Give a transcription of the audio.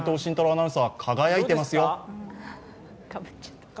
アナウンサー、輝いてますよ。